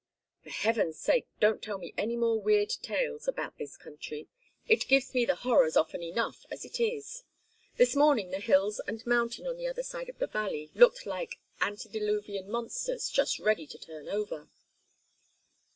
"For heaven's sake don't tell me any more weird tales about this country; it gives me the horrors often enough as it is. This morning the hills and mountain on the other side of the valley looked like antediluvian monsters just ready to turn over."